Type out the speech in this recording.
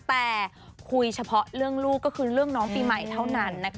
แต่คุยเฉพาะเรื่องลูกก็คือเรื่องน้องปีใหม่เท่านั้นนะคะ